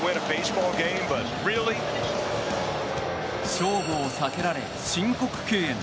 勝負を避けられ、申告敬遠。